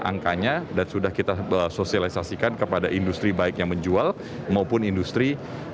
angkanya dan sudah kita bersosialisasikan kepada industri baiknya menjual maupun industri